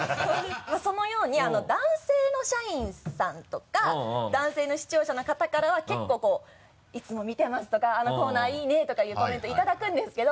そのように男性の社員さんとか男性の視聴者の方からは結構こう「いつも見てます」とか「あのコーナーいいね」とかいうコメントいただくんですけど。